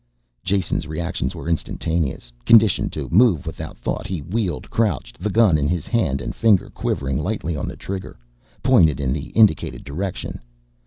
Jason's reactions were instantaneous, conditioned to move without thought. He wheeled, crouched, the gun in his hand and finger quivering lightly on the trigger, pointed in the indicated direction.